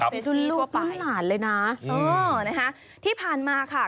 เป็นลูกลูกหลานเลยนะนะฮะที่ผ่านมาค่ะ